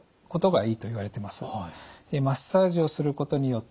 はい。